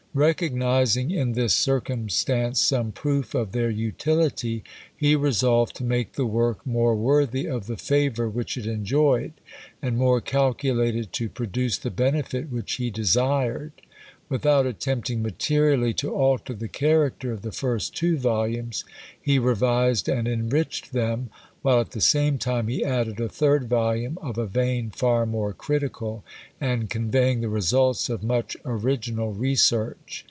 Recognising in this circumstance some proof of their utility, he resolved to make the work more worthy of the favour which it enjoyed, and more calculated to produce the benefit which he desired. Without attempting materially to alter the character of the first two volumes, he revised and enriched them, while at the same time he added a third volume of a vein far more critical, and conveying the results of much original research.